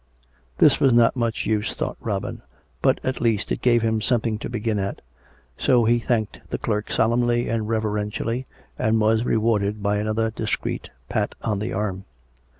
This was not much use, thought Robin; but, at least, it gave him something to begin at: so he thanked the clerk solemnly and reverentially, and was rewarded by another discreet pat on the arm.